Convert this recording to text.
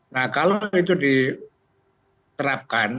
nah kalau itu diterapkan